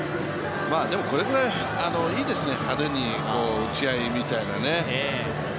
でもこれぐらい派手にいいですよね、打ち合いみたいなね。